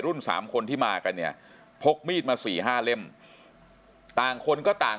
สามคนที่มากันเนี่ยพกมีดมาสี่ห้าเล่มต่างคนก็ต่าง